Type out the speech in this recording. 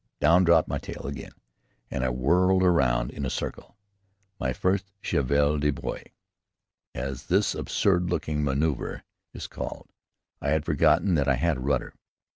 Down dropped my tail again, and I whirled round in a circle my first cheval de bois, as this absurd looking manoeuvre is called. I had forgotten that I had a rudder.